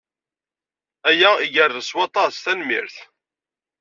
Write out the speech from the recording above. Aya igerrez s waṭas, tanemmirt.